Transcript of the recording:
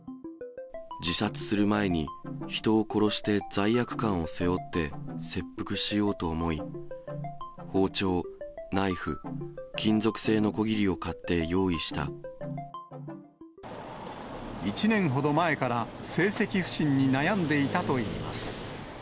自殺する前に、人を殺して罪悪感を背負って、切腹しようと思い、包丁、ナイフ、１年ほど前から、成績不振に悩んでいたといいます。